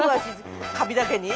カビだけに？